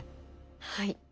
はい。